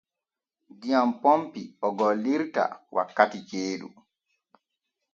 Diyam ponpi o gollirta wakkati ceeɗu.